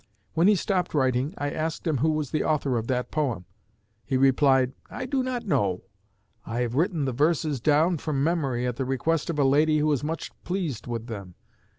When he stopped writing I asked him who was the author of that poem. He replied, 'I do not know. I have written the verses down from memory, at the request of a lady who is much pleased with them.'